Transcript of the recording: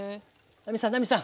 奈実さん奈実さん！